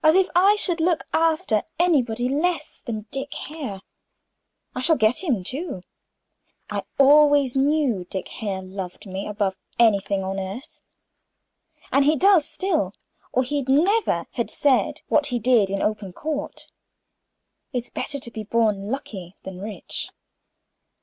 As if I should look after anybody less than Dick Hare! I shall get him, too. I always knew Dick Hare loved me above everything on earth; and he does still, or he'd never had said what he did in open court. 'It's better to be born lucky than rich.